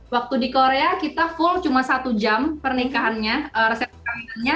waktu di korea kita full cuma satu jam pernikahannya resep pernikahannya